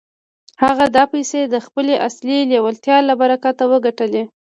هغه دا پيسې د خپلې اصلي لېوالتيا له برکته وګټلې.